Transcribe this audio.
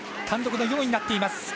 単独の４位になっています